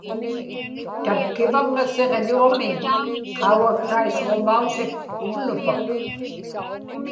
tatkivaŋŋa siġḷuamiñ qaugaksraisuġumausik uvlupak